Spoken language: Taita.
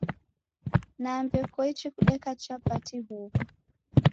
Nambe koichi kudeka chapati huw'u?